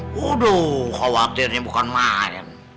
waduh khawatirnya bukan main